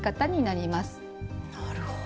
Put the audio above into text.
なるほど。